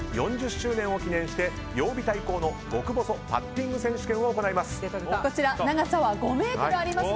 ４０周年を記念して曜日対抗の極細パッティング選手権を行います。